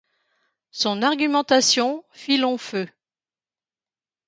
Son argumentation fit long feu.